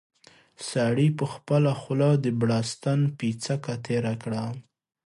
سړي په خپله خوله د بړستن پېڅکه تېره کړه.